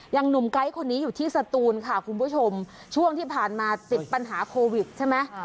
หนุ่มไกด์คนนี้อยู่ที่สตูนค่ะคุณผู้ชมช่วงที่ผ่านมาติดปัญหาโควิดใช่ไหม